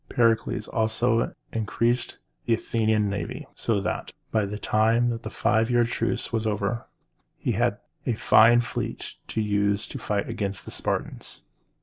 Pericles also increased the Athenian navy, so that, by the time the five years' truce was over, he had a fine fleet to use in fighting against the Spartans.